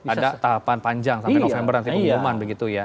ada tahapan panjang sampai november nanti pengumuman begitu ya